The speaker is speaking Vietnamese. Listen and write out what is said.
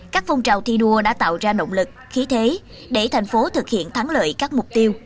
các phong trào thi đua đã tạo ra động lực khí thế để thành phố thực hiện thắng lợi các mục tiêu